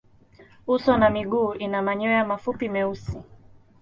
Uso na miguu ina manyoya mafupi meusi.